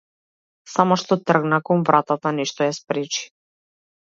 Само што тргна кон вратата нешто ја спречи.